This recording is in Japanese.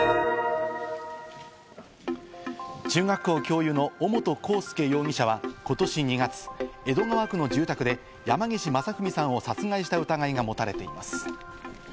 中学校教諭の尾本幸祐容疑者は今年２月、江戸川区の住宅で山岸正文さんを殺害した疑いが持たれています。